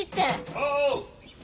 ・おう！